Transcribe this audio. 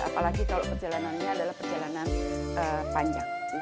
apalagi kalau perjalanannya adalah perjalanan panjang